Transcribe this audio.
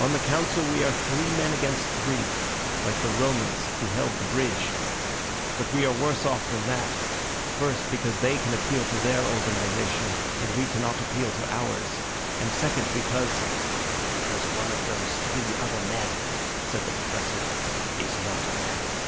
On the Council we are three men against three, like the Romans who held the bridge. But we are worse off than that, first because they can appeal to their organization and we cannot appeal to ours, and second because—" "Because one of those other three men," said the Professor, "is not a man."